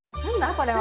これは。